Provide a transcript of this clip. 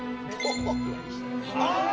あっ！